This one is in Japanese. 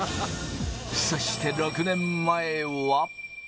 そして６年前は。